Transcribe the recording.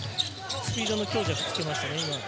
スピードの強弱つけましたね。